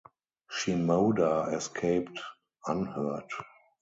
Shimoda escaped unhurt.